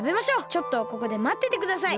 ちょっとここでまっててください。